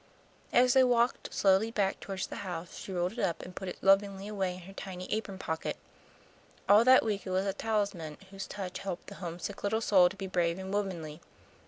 As they walked slowly back toward the house she rolled it up and put it lovingly away in her tiny apron pocket. All that week it was a talisman whose touch helped the homesick little soul to be brave and womanly.